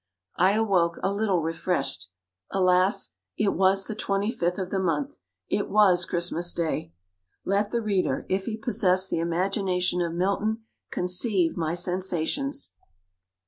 I awoke a little refreshed. Alas! it was the twenty fifth of the month It was Christmas Day! Let the reader, if he possess the imagination of Milton, conceive my sensations.